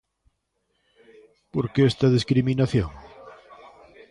Por que esta discriminación?